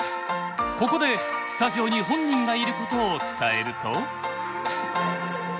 ここでスタジオに本人がいることを伝えると。